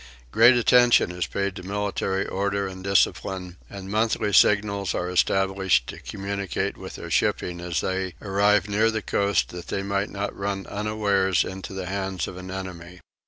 Great attention is paid to military order and discipline; and monthly signals are established to communicate with their shipping as they arrive near the coast that they may not run unawares into the hands of an enemy.